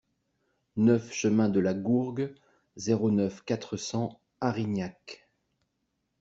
neuf chemin de la Gourgue, zéro neuf, quatre cents Arignac